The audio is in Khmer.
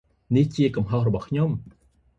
នេះជាកំហុសរបស់ខ្ញុំ ។